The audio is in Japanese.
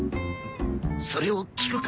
それを聞くか？